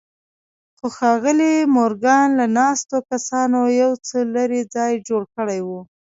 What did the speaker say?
خو ښاغلي مورګان له ناستو کسانو يو څه لرې ځای جوړ کړی و.